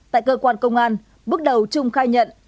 tại cơ quan công an bước đầu trung khai nhận